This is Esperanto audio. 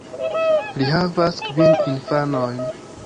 Li havas kvin infanojn.